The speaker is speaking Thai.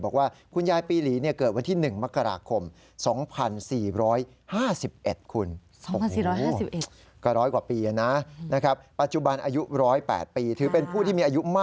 บอกว่าคุณยายปีหลีเนี่ยเกิดวันที่๑มกราคม